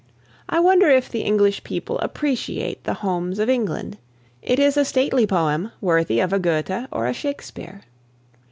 I wonder if the English people appreciate "The Homes of England." It is a stately poem worthy of a Goethe or a Shakespeare.